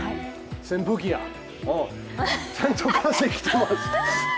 扇風機や、ちゃんと風、来てます。